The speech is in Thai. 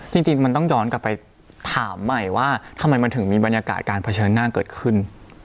จริงมันต้องย้อนกลับไปถามใหม่ว่าทำไมมันถึงมีบรรยากาศการเผชิญหน้าเกิดขึ้น